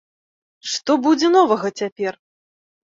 Што будзе новага цяпер?